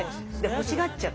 欲しがっちゃう。